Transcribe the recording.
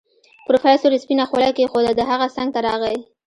پروفيسر سپينه خولۍ کېښوده د هغه څنګ ته راغی.